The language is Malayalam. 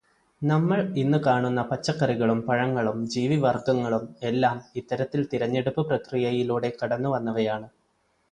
നമ്മൾ ഇന്ന് കാണുന്ന പച്ചക്കറികളും പഴങ്ങളും ജീവിവർഗങ്ങളും എല്ലാം ഇത്തരത്തിൽ തിരെഞ്ഞെടുപ്പു പ്രക്രിയയിലൂടെ കടന്നു വന്നവയാണ്.